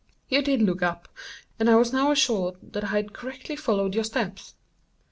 You did look up; and I was now assured that I had correctly followed your steps.